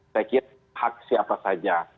saya kira hak siapa saja